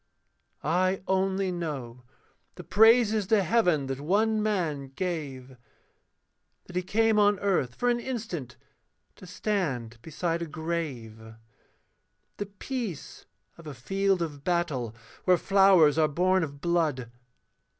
I only know the praises to heaven that one man gave, That he came on earth for an instant, to stand beside a grave, The peace of a field of battle, where flowers are born of blood.